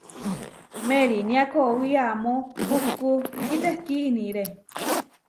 Meeriniá kowí amó puhkú kitehkí iniré.